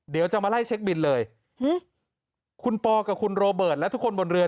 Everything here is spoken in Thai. เดี๋ยวจะมาไล่เช็คบินเลยคุณปอกับคุณโรเบิร์ตและทุกคนบนเรือ